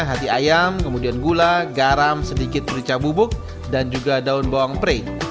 hati ayam kemudian gula garam sedikit merica bubuk dan juga daun bawang pre